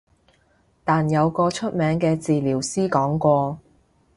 但有個出名嘅治療師講過